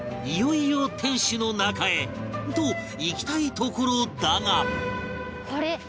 いよいよ天守の中へといきたいところだが